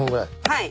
はい。